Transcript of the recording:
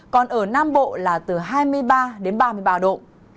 còn ở nam bộ là từ hai mươi ba đến ba mươi ba độ